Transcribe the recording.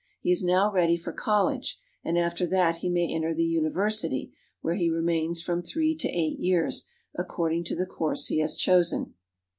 He is now ready for college, and after that he may enter the University, where he remains from three to eight years, according to the course he has chosen.